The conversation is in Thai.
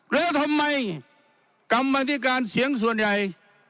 แล้วทำไมกรรมธิการเสียงส่วนใหญ่